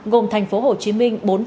gồm tp hcm bốn trăm linh